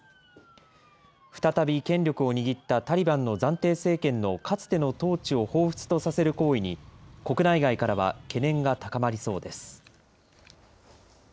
再び権力を握ったタリバンの暫定政権のかつての統治をほうふつとさせる行為に国内外からは懸念が高まりそうです。